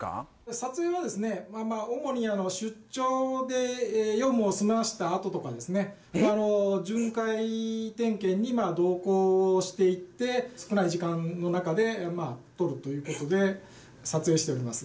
撮影はですね主に出張で用務を済ませたあととかですね巡回点検に同行していって少ない時間の中で撮るという事で撮影しております。